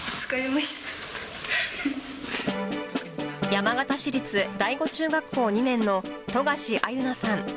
山形市立第五中学校２年の富樫愛結菜さん